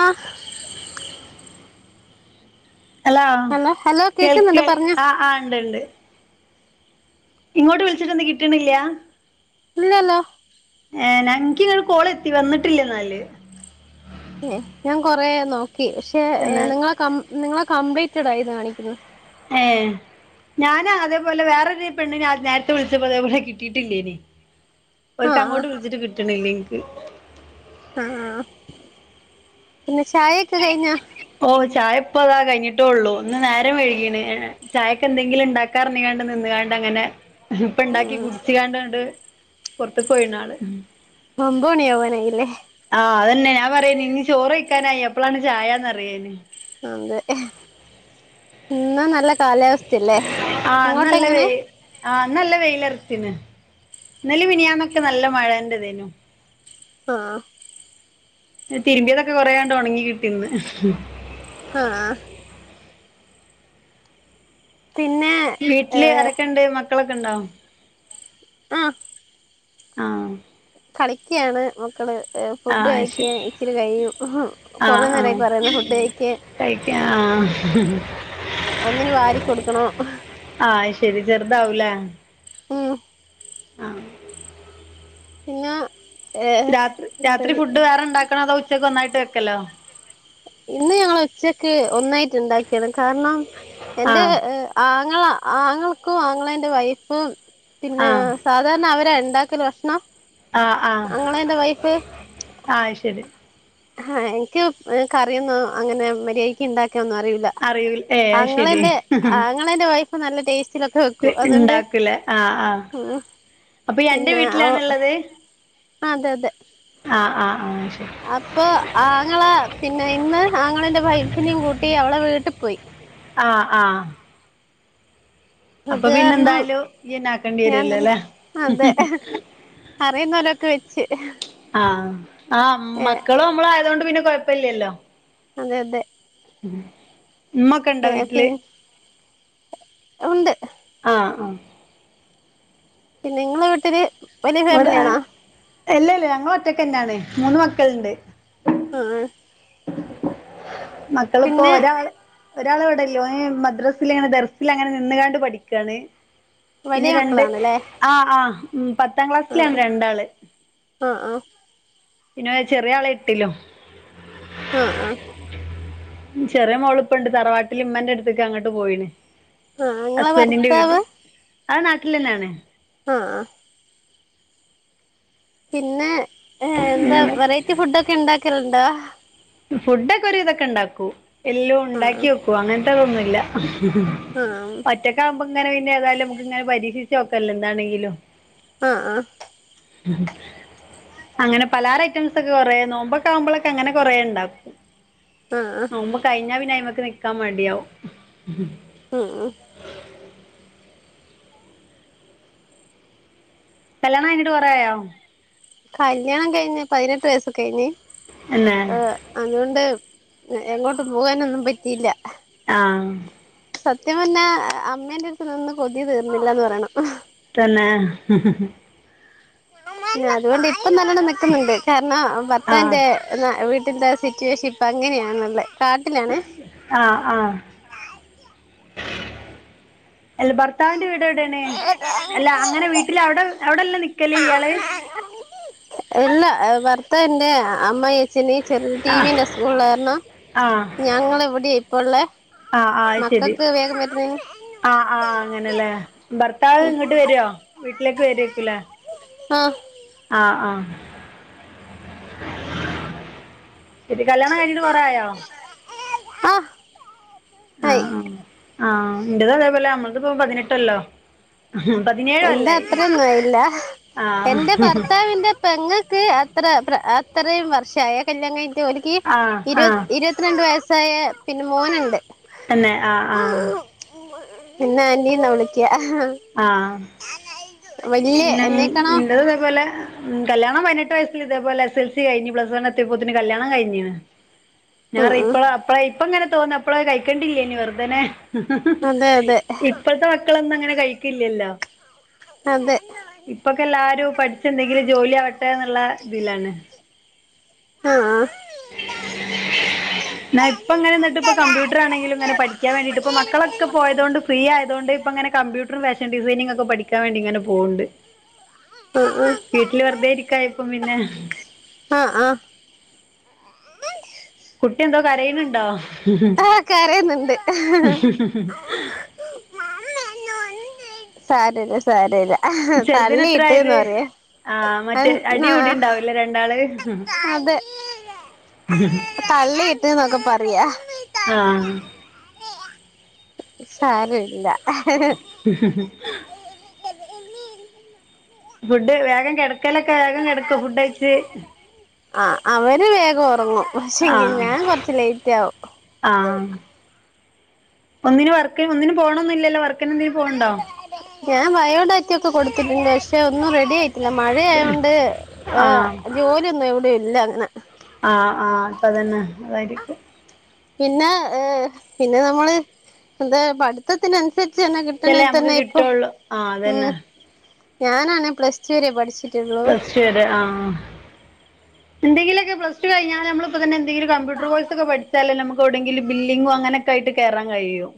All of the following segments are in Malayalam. ആഹ് ഹലോ ഹലോ കേൾ കേക്കുന്നുണ്ട് കേൾ പറഞ്ഞോ ആഹ് ആഹ് ഇണ്ട് ഇണ്ട് ഇങ്ങോട്ട് വിളിച്ചിട്ടെന്താ കിട്ടണില്ല്യ ഇല്ലല്ലോ ഞാനൻകി ഒരു കോളേത്തി വന്നിട്ടില്ലേന്നാല് ഞാൻ കൊറെ നോക്കി പക്ഷെ പിന്നെ നിങ്ങളെ കംപ്ലീറ്റഡായിന്നാ കാണിക്കുന്നത് ഏ ഞാനാ അതേപോലെ വെറൊരു പെണ്ണിനെ അത് നേരത്തെ വിളിച്ചപ്പോ അതേപോലെ കിട്ടിട്ടില്ലേനി ഓൽക്ക് ആഹ് ആഹ് അങ്ങോട്ട് വിളിച്ചിട്ട് കിട്ടണില്ലെനിക്ക് ആഹ പിന്നെ ചായൊക്കെ കഴിഞ്ഞോ ഓ ചായ ഇപ്പ അതാ കഴിഞ്ഞിട്ടോള്ളൂ. ഇന്ന് നേരം വൈകീണ് ചായക്കെന്തെങ്കിലും ഇണ്ടാക്കാറഞ്ഞീങ്ങാണ്ട് നിന്ന്കാണ്ട് അങ്ങനെ ഇപ്പ ഇണ്ടാക്കി ഉം കുടിച്ച് കാണ്ടണ്ട് പൊറത്ത്ക്ക് പോയി ണാള് ഒമ്പണിയാവാനായില്ലേ ആഹ് അത് ന്നെ ഞാൻ പറയേനി ഇനി ചോറ് കഴിക്കാനായി അപ്പളാണ് ചായേന്ന് അതെ ഇന്നാ നല്ലെ കാലാവസ്ഥയല്ലേ അങ്ങോട്ട് എങ്ങനെ ആഹ ഇന്ന് നല്ല വെയിലറച്ചീന് ഇന്നലെ മിനിയാന്നൊക്കെ നല്ല മഴ ആഹ തിരുമ്പിയതൊക്കെ കൊറണ്ട് ഒണങ്ങി കിട്ടിന്ന് ആഹ പിന്നെ വീട്ടില് ഏഹ് ആരൊക്കെണ്ട് മക്കളൊക്കെണ്ടോ? ആഹ ആാം കളിക്കയാണ് മ ഫുഡ് ആഹ് അത് ശരി കഴിക്കാൻ ഇച്ചിരി കഴിയും കുറെ നേരായി പറയുന്നു ഫുഡ് കഴിക്കാൻ കഴിക്കാം ഒന്നിന് വാരി കൊടുക്കണോ ആഹ് അയ്ശരി ചെറുതാവൂലെ മ് പിന്നാ രാത്രി രാത്രി ഫുഡ് വേറെണ്ടാക്കണോ അതോ ഉച്ചക്ക് ഒന്നായിട്ട് വെക്കലോ ഇന്ന് ഞങ്ങള് ഉച്ചക്ക് ഒന്നായിട്ട് ഇണ്ടാക്കിയാണ് കാരണം എന്റെ ആഹ് ആങ്ങള ആങ്ങൾക്കും ആങ്ങളെന്റെ വൈഫും പിന്നെ ആഹ് സ്ഥാൽ കാരണം അവരെണ്ടാക്കല് ഭക്ഷണം ആഹ ആഹ ആങ്ങളെന്റെ വൈഫ് അയ് ശരി ആഹ എനിക്ക് കറിയൊന്നും അങ്ങനെ മര്യായ്ക്ക് ഇണ്ടാക്കാന്നും അറിയി അറിയൂ ഏഹ് അത് ശരി ആങ്ങളേന്റെ വൈഫ് നല്ല ടേസ് ചിലർക്ക് വെക്കൂ അതുകൊണ്ട് ഇണ്ടാക്കൂലേ ആഹ് ആഹ് അപ്പൊ എന്റെ പിന്നെ അവു വീട്ടിലാണ്ള്ളത് അതെ അതെ ആഹ് അപ്പൊ ആങ്ങള പിന്നെ ഇന്ന് ആങ്ങളെന്റെ വൈഫിനേം കൂട്ടി അവളെ വീട്ട് പോയി ആഹ ആഹ അത് പിന്നെ കാരണം എന്തായാലും ഇയ്യെന്നെ ആക്കേണ്ടി ഞാൻ വരൂല തന്നെ ല്ലേ അതെ അറിയുന്ന പോലൊക്കെ വെച്ച് ആ ഏ മക്കളും നമ്മളായതൊണ്ട് പിന്നെ കൊഴപ്പല്ലല്ലോ അതെ അതെ ഉമ്മൊക്കെ ഇണ്ട ഏ വീട്ടില് പിൻ ഉണ്ട്. ആ ആ പിന്നെ നിങ്ങള വീട്ടില് വലിയ ഇവിടെ ഫാമിലിയാണോ അല്ല അല്ല ഞങ്ങള് ഒറ്റക്കന്നാണ് മൂന്ന് മക്കള്ണ്ട് ആ മക്കളിപ്പോ പിന്നെ ഒരാൾ ഒരാൾ ഇവിടല്ല മദ്രസിൽ ദർസിൽ അങ്ങനെ നിന്നുകാണ്ട് പഠിക്കാണ് പിന്നെ വലിയ രണ്ട് മക്കളാണല്ലേ ആ ആ ഉം പത്താം ക്ലാസ്സിലാണ് രണ്ടാള് ആഹ് ആഹ് പിന്നെ ചെറിയ ആള് എട്ടിലും ആഹ് ആഹ് ചെറിയ മോള്പ്പണ്ട് തറവാട്ടില് ഇമ്മന്റെ അടുത്തേക്ക് അങ്ങട്ട് പോയിന് ആ നിങ്ങളെ ഹസ്ബന്റിന്റെ വീട്ട് ഭർത്താവ് ആ നാട്ടിലന്നേണ് ആഹ് ആഹ് പിന്നെ എന്താ വെറൈറ്റി ഫുഡ് ഒക്കെ ഉണ്ടാക്കലിണ്ടോ ഫുഡൊക്കെ ഒരു വിതൊക്കെ ഇണ്ടാക്കും എല്ലോം ആ ഇണ്ടാക്കി വെക്കും അങ്ങനത്തതൊന്നുല്ല ആഹ് ഒറ്റക്കാവുമ്പോ ഇങ്ങനെ ഏതായാലും നമ്മക്ക് ഇങ്ങനെ പരീക്ഷിച്ച് നോക്കല്ലോ എന്താണെങ്കിലും ആഹ് ആഹ് അങ്ങനെ പലഹാര ഐറ്റംസ് ഒക്കെ കൊറെ നോമ്പൊക്ക ആവുമ്പോളൊക്കെ അങ്ങനെ കൊറേ ണ്ടാക്കും ആഹ് ആഹ് നോമ്പ് കയിഞ്ഞ പിന്നേ അയ്മക്ക് നിക്കാൻ മടിയാവും ആഹ് ആഹ് കല്യാണം കയിഞ്ഞിട്ട് കൊറായോ കല്യാണം കയിഞ് പതിനെട്ട് വയസ്സ് കയ്ഞ്ഞ് തന്നെ അതുകൊണ്ട് എങ്ങോട്ടും പോകാനൊന്നും പറ്റിയില്ല ആഹ് സത്യം പറഞ്ഞ അമ്മേന്റെ അടുത്ത് നിന്ന് കൊതി തീർന്നില്ലന്ന് പറയണം തന്നെ അതുകൊണ്ട് ഇപ്പം നല്ലോണം നിക്കുന്നുണ്ട് കാരണം ആഹ് ഭർത്താവിന്റെ വീട്ടില്ത്തേ സിറ്റുവേഷൻ ഇപ്പൊ അങ്ങനെയാണുള്ളെ കാട്ടിലാണെ ആഹ് ആഹ് ൽ ഭർത്താവിന്റെ വീ ട് എവിടേണ് അല്ല അങ്ങനെ വീട്ടിൽ അവിടെ അവിടെല്ല നിക്കല് ഇയാള് എല്ല ഭർത്താവിന്റെ അമ്മ ച്ഛന് ചെറിയ ആഹ് ടീവിന്റെ അസുഖള്ള കാരണം ആഹ് ഞങ്ങള് ഇവിടെ ഇപ്പ ഉള്ളേ ആഹ് ആഹ് ശരി മക്കക്ക് വേഗം വരുന്നേന് ആഹ് ആഹ് അങ്ങനെല്ലേ ഭർത്താവ് ഇങ്ങട്ട് വരോ വീട്ടിലേക്ക് വരേര്ക്കുല്ലേ ആഹ് ആഹ് ആഹ് ശെരി കല്യാണം കയിഞ്ഞിട്ട് കൊറെയോ ആഹ് ആയി ആഹ് ആഹ് ആ എന്റത് അതേപോലെ നമ്മളത്പ്പ പതിനെട്ടൊല്ലം എന്റെ അത്രന്നായില്ല ആഹ് എന്റെ ഭർത്താവിന്റെ പെങ്ങക്ക് അത്ര അത്രയും വർഷായേ കല്യാണം കയിഞ്ഞിട്ട് ക്ക് ആഹ് ഇരു ആഹ് ഇരുപത്തിരണ്ട് വയസ്സായ പിന്നെ മോനുണ്ട് തന്നെ ആഹ് ആഹ് ഇന്നെ അനിന്നാ വിളിക്ക. ആഹ്. വല്യ പിന്നെ എന്നേക്കാണോ ഇന്റത് ഇതേപോലെ ഉം കല്യാണം പതിനെട്ട് വയസ്സിൽ ഇതേ പോലെ എസ് എൽ സി കഴിഞ്ഞ് പ്ലസ് വൺ എത്തിയപ്പോത്തിനു കല്ല്യാണം കഴിഞ്ഞീണ്. ഞാൻ ഉം റിപ്പൊ ഉം ഇപ്പള ഇപ്പളേ ഇപ്പ ഇങ്ങനെ തോന്നും, ഇപ്പളത് കഴിക്കണ്ടില്ലേനി വെറുതനെ അതെ അതെ ഇപ്പഴത്തെ മക്കളൊന്നും അങ്ങനെ കഴിക്കില്ലല്ലോ. അതെ ഇപ്പൊക്കെ എല്ലാരും പഠിച്ച് എന്തെങ്കിലും ജോലി ആവട്ടെ എന്നുള്ള ഇതിലാണ്. ആഹ്. ന്നാ ഇപ്പോ ങ്ങനെ ന്നിട്ട് ഇപ്പോ കമ്പ്യൂട്ടർ ആണെങ്കിലും ഇങ്ങനെ പഠിക്കാൻ വേണ്ടിട്ട് ഇപ്പം മക്കളക്കെ പോയതോണ്ട് ഫ്രീ ആയതു കൊണ്ട് ഇപ്പ ഇങ്ങനെ കമ്പ്യൂ ട്ടറും ഫാഷൻ ഡിസൈനിങ് ഒക്കെ പഠിക്കാൻ വേണ്ടി ഇങ്ങനെ പോക്ണ്ട്. ഉം ഉം. വീട്ടിൽ വെറുതെ ഇരിക്കായപ്പം പിന്നെ ആഹ് ആഹ് കുട്ടി എന്തോ കരയണണ്ടോ? ആ കരയുന്നുണ്ട് സരല്ല സരല്ല ചെറുതിന് തള്ളിയിട്ട്ന്ന എത്രായത് പറിയ. ആഹ് മറ്റേ അടി കൂടി ഉണ്ടാവൂലേ രണ്ടാള്. തള്ളിയിട്ട് ന്നൊക്കെ പറയാ. ആഹ്. സാരല്യ. ഫുഡ് വേഗം കിടക്കലൊക്കെ വേഗം കിടക്കോ ഫുഡഴിച്ച്. ആഹ് അവര് വേഗം ഉറങ്ങും, പക്ഷെങ്കിൽ ഞാൻ കുറച്ച് ലേറ്റ് ആവും. ആഹ് ഒന്നിന് വർക്ക് ഒന്നിന് പോണൊന്നില്ലല്ലോ വർക്കിന് എന്തെലും പോകുണ്ടോ? ഞാൻ ബയോ ഡാറ്റക്കെ കൊടുത്തിട്ടുണ്ട്, പക്ഷെ ഒന്നും റെഡി ആയി ത്തില്ല മഴയായോണ്ട് ആ ഏഹ് ജോലിയൊന്നും എവിടെ ഇല്ല അങ്ങനെ. ആഹ് ആഹ് ഇപ്പോ തന്നെ അതായിരിക്കും. പിന്നെ ഏഹ് പിന്നെ നമ്മള് എന്താ പഠിത്തത്തിനനുസ ച്ചെന്നെ കിട്ടണേ ഇതല്ലേ നമുക്ക് തന്നെ ഇപ്പോ കിട്ടുള്ളൂ ആ ഉം. അതന്നെ ഞാനാണേ പ്ലസ് ടു വരെ പഠിച്ചിട്ടുള്ളൂ. പ്ലസ് ടു വരെ ആഹ് എന്തെങ്കിലൊക്കെ പ്ലസ് ടു കഴിഞ്ഞ നമ്മള് ഇപ്പ തന്നെ എന്തെങ്കിലും കമ്പ്യൂട്ടർ കോഴ്സോക്കെ പഠിച്ചാലല്ലേ നമ്മുക്ക് എവിടെങ്കിലും ബില്ലിംങ് അങ്ങനൊ ക്കേ ആയിട്ട് കേറാൻ കഴിയു.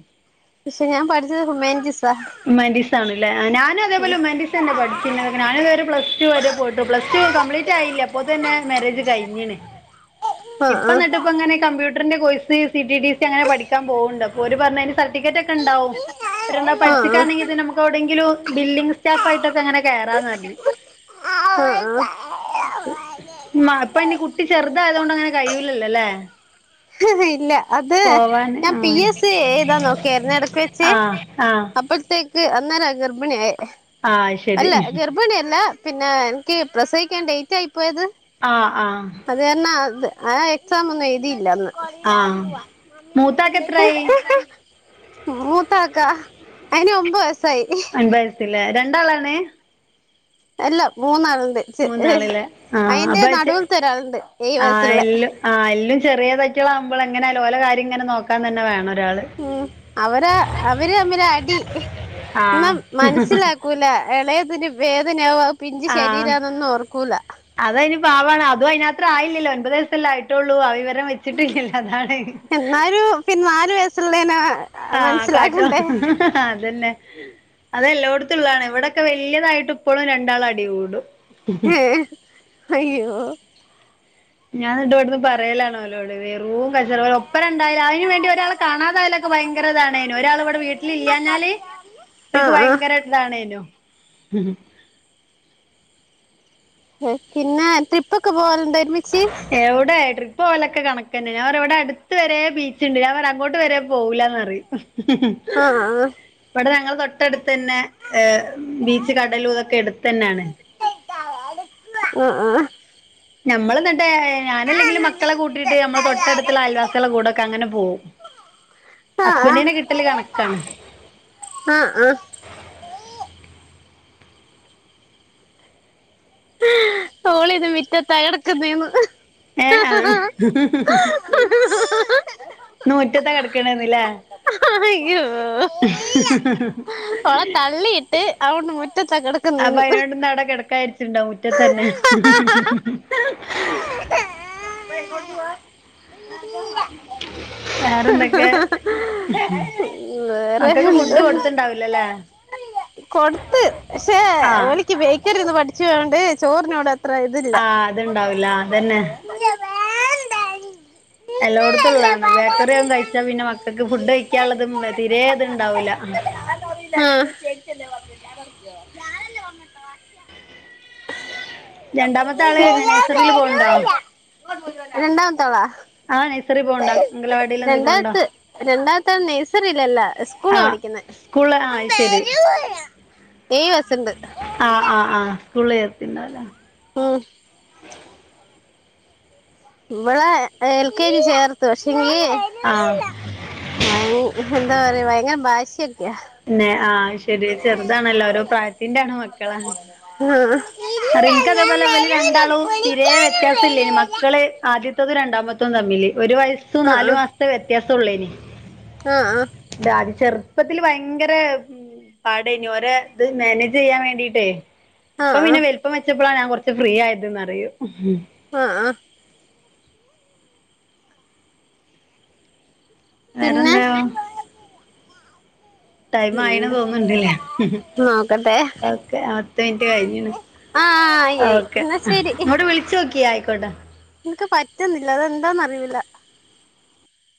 പക്ഷേ ഞാൻ പഠിച്ചത് ഹ്യൂമാൻറ്റിസ് ഹ്യുമാൻറ്റീസാണല്ലേ ഞാനും അതേ പോലെ ഹ്യുമാൻറ്റീസന്നെ പഠിച്ചിനിയത് ഞാനും അതേ പോലെ പ്ലസ് ടു വരെ പോയിട്ടുള്ളു. പ്ലസ് ടു കംപ്ലീ റ്റായില്ല അപ്പോ തന്നെ മേരേജ് കഴി ഞ്ഞിണ്, ഇപ്പ ആഹ് ന്നട്ടിപ്പോ ങ്ങനെ കമ്പ്യൂട്ടറിന്റെ course C T T C അങ്ങനെ പഠിക്കാൻ പോക്ണ്ട്, അപ്പോ ഓര് പറഞ്ഞയ്ന്റെസർട്ടിഫിക്കറ്റ് ഒക്കെ ഉണ്ടാവും. ആഹ് ആഹ് പഠിച്ചിട്ടാണെങ്കിൽ ഇത് ആഹ് നമുക്ക് എവിടെങ്കിലും ബില്ലിങ് സ്റ്റാഫ് ആയിട്ടൊക്കെ അങ്ങനെ കേറാന്ന് പറഞ്ഞ്. [unintelligible] മാ പ്പോന്റെ കുട്ടി ചെറുതയതൊണ്ട് അങ്ങനെ കഴിയൂലല്ലോല്ലേ? ഇല്ല അത് ഞാൻ പി എസ് സി എഴുതാ നോക്കിയാരുന്നു ഇടക്ക് വെച്ച് ആ ആ ആ അപ്പോത്തേക്ക് അന്നേരാ ഗർഭിണിയായത്, ആ ശരി അല്ല ഗർഭിണിയല്ല. പിന്നെ എനിക്ക് പ്രസവിക്കാൻ ഡേറ്റ് ആയി പോയത്. ആഹ് ആഹ് അത് കാരണം അതാ എക്സാം ഒന്നും എഴുതിയില്ല അന്ന്. ആ മൂത്താക്ക് എത്രയായി മൂത്താക്ക അയിന് ഒമ്പത് വയസ്സായി. ഒമ്പഹ് വയസ്സിലെ രണ്ടാളാണ് എല്ല മൂന്നാളുണ്ട് മൂന്നാളില്ലേ ആ അയിന്റെ അപ്പൊ ച്ച് നടുവിലത്തെ ഒരാളുണ്ട് ഏയ് വയസ്സുള്ളേ ആഹ് എല്ലും ചെറിയതായിട്ടുള്ള ആവുമ്പോൾ എങ്ങനെ ഓല കാര്യം ഇങ്ങനെ നോക്കാൻ തന്നെ വേണം ഒരാള് ഉം അവര അവര് തമ്മിലാ അടി ആഹ് ന്നാം മനസ്സിലാക്കൂല എളയതിന് വേദനയാവും അത് പിഞ്ച് ശരീരാന്നൊന്നും ഓർക്കൂല അതും അയിന് പവാണ് അതും അയിനത്ര ആയില്ലല്ലോ ഒമ്പത് വയസല്ലേ ആയി ട്ടോള്ളൂ ആ വിവരം വെച്ചിട്ടില്ലല്ലോ അതാണ് എന്നാലും പിന്നെ നാല് വയസ്സുള്ളേനാ ആഹ് കാട്ടോ അതന്നെ അതെല്ലോടത്തുള്ളാണ് ഇവിടൊക്കെ വല്ല്യതായിട്ടും ഇപ്പളും രണ്ടാളും അടി കൂടും അയ്യോ ഞാൻ ഇന്നിട്ട് ഇവിടുന്ന് പറയലാണോലോട് റൂം കച്ചറ ഒപ്പരണ്ടായാലും അയിന് വേണ്ടി ഒരാള് കാണാതായാലൊക്കെ ഭയങ്കരതാണ്ന് ഒരാള് ഇവിടെ വീട്ടി ല്ലില്ലാഞാല് ഓൽക്ക് ആഹ് ഭയങ്കര ഇതാണേനു പിന്ന ട്രിപ്പ് ഒക്കെ പോവലുണ്ടോ ഒരുമിച്ച് എവടെ ട്രിപ്പ് പോവലൊക്കെ കണക്കന്നെ ഞാൻ പറയും ഇവിടെ അടുത്ത് വരെ ബീച്ച് ഇണ്ട് ഞാൻ പറയും അങ്ങോട്ട് വരെ പോവുല്ലാന്ന് പറയും ആഹ് ഇവടെ ഞങ്ങളെ തൊട്ടടുത്തന്നെ ഏ ബീച്ച് കടലും ഇതൊക്കെ എടുത്തെന്നേണ് ആഹ് ആഹ് ഞമ്മള് ന്നിട്ട് ഞാനെല്ലെങ്കിലും മക്കളെ കൂട്ടിയിട്ട് നമ്മളെ തൊട്ടടുത്തുള്ള അയൽവാസികളെ കൂടൊക്കെ അങ്ങനെ പോവും ആഹ് ആഹ് ഹസ്ബന്റിനെ കിട്ടല് കണക്കാണ് ആഹ് ആഹ് ഓളിന്ന് മിറ്റത്താ കിടക്കുന്നേന്ന് ഏഹ് ആഹ് ഇന്ന് മുറ്റത്താ കിടക്കണന്ന്ലേ അയ്യോ അവളിന്ന് മുറ്റത്താ കെട അപ്പൊ അയിനോണ്ട് ഇന്ന് കെടക്ക വിരിച്ചിണ്ടോ മുറ്റത്തന്നെ ഇങ്ങോട്ട് വാ വെറെന്തൊക്കെ വേറെ മക്കക്ക് ഫുഡ് എന്ത് കൊടുത്തണ്ടാവില്ലല്ലേ കൊടുത്ത് പഷേ ഓലിക്ക് ബേക്കറി ന്നാമേണ്ടിട്ട് ച്ചോണ്ട് ചോറിനോട് അത്ര ഇതില്ല ഇണ്ടാവില്ല അതന്നെ എല്ലോട്ത്തുള്ളാണ് ബേക്കറി കയിച്ചാ പിന്നെ മക്കക്ക് ഫുഡ് കയിക്കാനുള്ളത് തിരെേ ഇത്ണ്ടാവുല്ല ആഹ് [unintelligible] രണ്ടാമത്ത ആള് നഴ്സറീൽ പോണണ്ടോ രണ്ടാമത്താളാ ആ നഴ്സറി പോണുണ്ടോ അംഗലവാടിയിൽ എന്തെങ്കിലും പോണുണ്ടോ രണ്ടാമത്ത് രണ്ടാമത്തത് നേഴ്സറീല്ലല്ല സ്കൂളാ പഠിക്കുന്നേ സ്‌കൂള് ആഹ് ശരി ഏയ് വയസ്ണ്ട് ആഹ് ആഹ് ആഹ് സ്കൂളി ചേർത്തിണ്ടാവുല്ലേ ഉം ഇവളെ എൽ കെ ജി ചേർത്ത് പക്ഷെങ്കില് ആഹ് ഭയ എന്താ പറയാ ഭയങ്കര ബാശിയൊക്കെയ അന്നെ ആ ശെരി ചെറുതാണല്ലോ ഓരോ പ്രായത്തിന്റെണ് മക്കളാ ആഹ് അനക്ക് അതേപോലെ ഇവല് രണ്ടാളും തീരെ വ്യത്യാസം ഇല്ലേന്നു മക്കള് ആദ്യത്തത് രണ്ടാമ തും തമ്മില് ഒരു വയസ്സും നാലു ആഹ് മാസത്തെ വ്യത്യാസം ഒള്ളെനി ആഹ് ആഹ് ഇതാ അത് ചെറുപ്പത്തില് ഭയങ്കര ഉം ഉം പാടെനു ഓരെ ഇത് മാനേജ് ചെയ്യാൻ വേണ്ടീട്ടേ ആഹ് ഇപ്പൊ ആഹ് പിന്നെ വെലുപ്പം വെച്ചപ്പോഴാണ് ഞാൻ കൊറച്ച് ഫ്രീ ആയത് എന്നറയും ആഹ് ആഹ് പിന്നെ വേറെന്താവോ ടൈം ആയിന്ന് തോന്ന്ണ്ടേലെ നോക്കട്ടെ ഓക്കെ പത്ത് മിനിറ്റ് കഴിഞീന് ആഹ് ആയി ആഹ് ആയി ഓക്കെ എന്നാ ഉം ഇങ്ങോട്ട് വിളിച്ചോക്കി ആയിക്കോട്ടെ ഇൻക്ക് പറ്റുന്നില്ല അത് എന്താന്ന് അറിയൂല.